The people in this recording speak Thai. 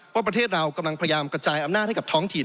ว่าประเทศเรากำลังพยายามกระจายอำนาจให้กับท้องถิ่น